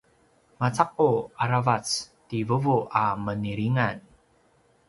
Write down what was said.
maca’u aravac ti vuvu a menilingan